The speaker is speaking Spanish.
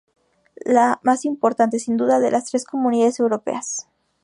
La más importante, sin duda, de las tres Comunidades Europeas.